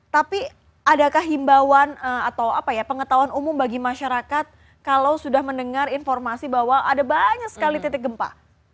tapi adakah himbauan atau apa ya pengetahuan umum bagi masyarakat kalau sudah mendengar informasi bahwa ada banyak sekali titik gempa